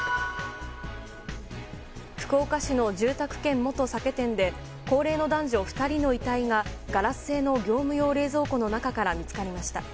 福岡市の住宅兼元酒店で高齢の男女２人の遺体がガラス製の業務用冷蔵庫の中から見つかりました。